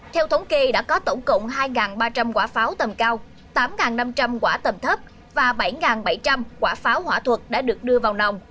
theo thống kê đã có tổng cộng hai ba trăm linh quả pháo tầm cao tám năm trăm linh quả tầm thấp và bảy bảy trăm linh quả pháo hỏa thuật đã được đưa vào nòng